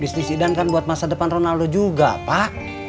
bisnis idan kan buat masa depan ronaldo juga pak